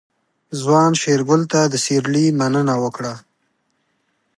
ځوان شېرګل ته د سيرلي مننه وکړه.